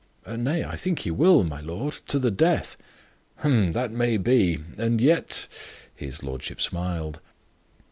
"Nay, I think he will, my lord to the death." "That may be and yet " his lordship smiled.